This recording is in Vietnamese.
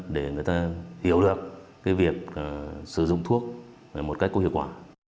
để người ta hiểu được việc sử dụng thuốc một cách có hiệu quả